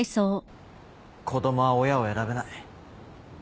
子供は親を選べない